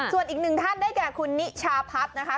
ส่วนอีกหนึ่งท่านได้แก่คุณนิชาพัฒน์นะคะ